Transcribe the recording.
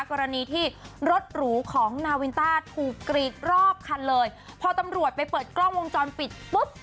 กรณีที่รถหรูของนาวินต้าถูกกรีดรอบคันเลยพอตำรวจไปเปิดกล้องวงจรปิดปุ๊บ